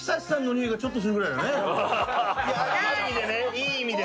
いい意味で。